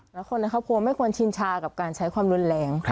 แล้วคนในครอบครัวไม่ควรชินชากับการใช้ความรุนแรง